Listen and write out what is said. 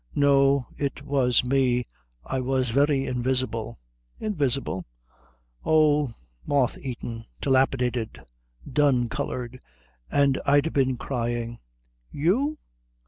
"No, it was me. I was very invisible " "Invisible?" "Oh, moth eaten, dilapidated, dun coloured. And I'd been crying." "You?